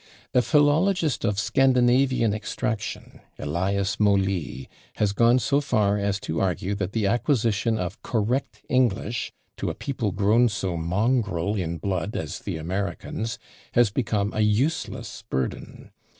A philologist of Scandinavian extraction, Elias Molee, has gone so far as to argue that the acquisition of correct English, to a people grown so mongrel in blood as the Americans, has become a useless burden.